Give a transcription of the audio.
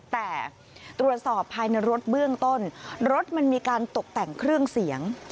แต่ตรวจสอบภายในรถเบื้องต้นรถมันมีการตกแต่งเครื่องเสียง